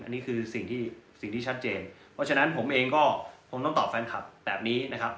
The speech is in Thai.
อันนี้คือสิ่งที่สิ่งที่ชัดเจนเพราะฉะนั้นผมเองก็คงต้องตอบแฟนคลับแบบนี้นะครับ